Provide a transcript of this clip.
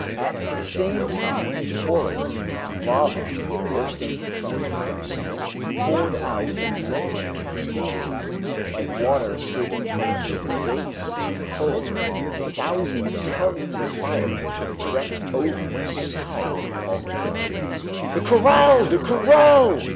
At the same time a torrent of lava, bursting from the new summit, poured out in long cascades, like water escaping from a vase too full, and a thousand tongues of fire crept over the sides of the volcano. "The corral! the corral!"